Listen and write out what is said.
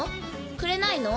くれないの？